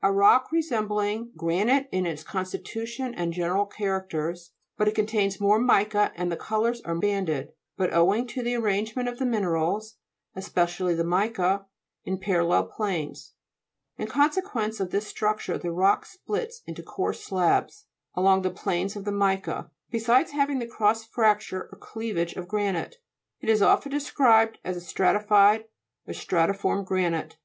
A rock resembling granite in its constitution and ge neral characters ; but it contains more mica and the colours are banded, but owing to the arrange ment of the minerals, especially the mica, in parallel planes. In con sequence of this structure the rock splits into coarse slabs, along the planes of the mica, besides having the cross fracture or cleavage of granite. It is often described as a stratified or stratiform granite.